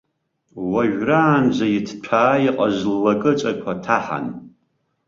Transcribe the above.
Уажәраанӡа иҭҭәаа иҟаз ллакыҵақәа ҭаҳан.